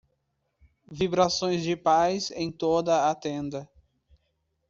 vibrações de paz em toda a tenda.